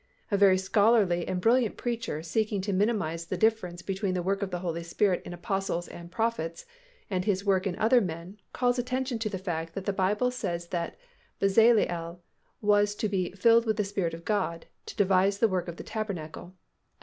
A very scholarly and brilliant preacher seeking to minimize the difference between the work of the Holy Spirit in apostles and prophets and His work in other men calls attention to the fact that the Bible says that Bezaleel was to be "filled with the Spirit of God" to devise the work of the tabernacle (Ex.